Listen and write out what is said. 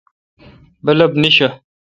بلب نیݭہ